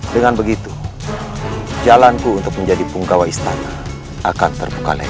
dengan begitu jalanku untuk menjadi punggawa istana akan terbuka lebar